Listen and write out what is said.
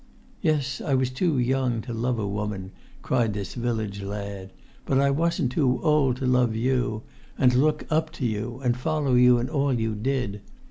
Yes, I was too young to love a woman," cried this village lad, "but I wasn't too old to love you, and[Pg 34] look up to you, and follow you in all you did.